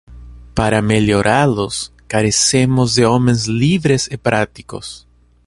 Para melhorá-los carecemos de homens livres e práticos.